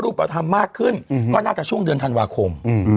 ประธรรมมากขึ้นก็น่าจะช่วงเดือนธันวาคม